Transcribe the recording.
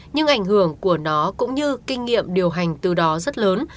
nhưng ảnh hưởng của nó cũng như kinh nghiệm điều hành từ đó rất lớn